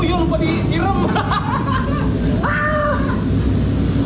oh iya lupa disiram